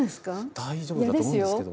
大丈夫だと思うんですけど。